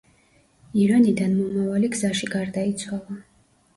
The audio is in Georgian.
ირანიდან მომავალი გზაში გარდაიცვალა.